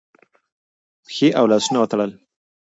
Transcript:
پښې او لاسونه وتړل